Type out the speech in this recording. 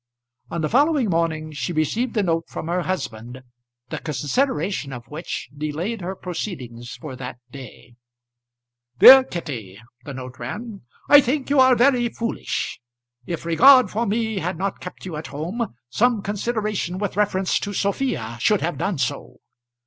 On the following morning she received a note from her husband the consideration of which delayed her proceedings for that day. "DEAR KITTY," the note ran. I think you are very foolish. If regard for me had not kept you at home, some consideration with reference to Sophia should have done so.